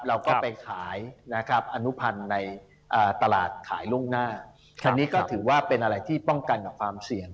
เราก็ไปขายนะครับอนุพันธ์ในตลาดขายล่วงหน้าอันนี้ก็ถือว่าเป็นอะไรที่ป้องกันกับความเสี่ยง